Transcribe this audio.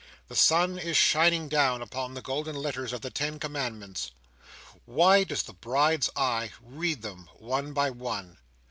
The sun is shining down, upon the golden letters of the ten commandments. Why does the Bride's eye read them, one by one?